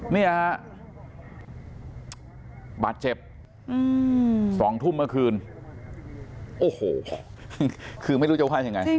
เนี่ยฮะบาดเจ็บ๒ทุ่มเมื่อคืนโอ้โหคือไม่รู้จะว่ายังไง